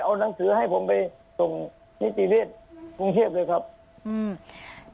เอานังสือให้ผมไปตรงนิติเรียสภูมิเทียบเลยครับอืม